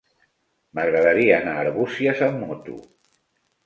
M'agradaria anar a Arbúcies amb moto.